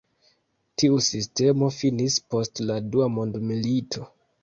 Tiu sistemo finis post la Dua Mondmilito.